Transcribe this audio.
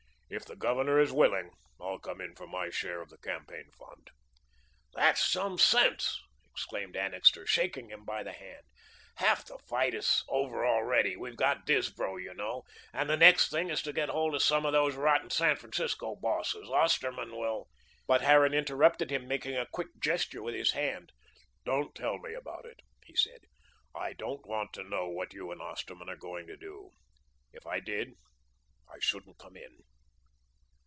If the Governor is willing, I'll come in for my share of the campaign fund." "That's some sense," exclaimed Annixter, shaking him by the hand. "Half the fight is over already. We've got Disbrow you know; and the next thing is to get hold of some of those rotten San Francisco bosses. Osterman will " But Harran interrupted him, making a quick gesture with his hand. "Don't tell me about it," he said. "I don't want to know what you and Osterman are going to do. If I did, I shouldn't come in."